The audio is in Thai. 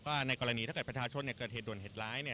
ในกรณีถ้าเกิดประชาชนเกิดเหตุด่วนเหตุร้าย